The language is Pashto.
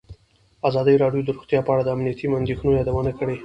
ازادي راډیو د روغتیا په اړه د امنیتي اندېښنو یادونه کړې.